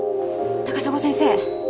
高砂先生